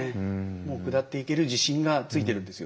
もう下っていける自信がついてるんですよね。